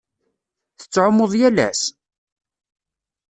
Tettɛummuḍ yal ass?